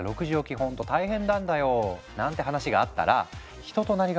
ほんと大変なんだよ」なんて話があったら人となりが分かるよね。